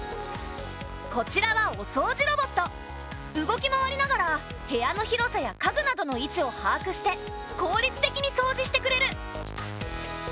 動き回りながら部屋の広さや家具などの位置を把握して効率的に掃除してくれる。